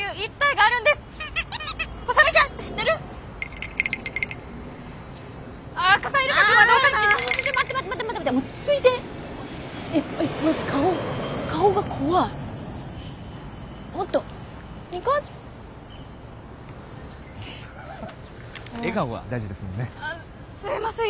ああすいません。